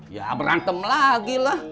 ya berantem lagi lah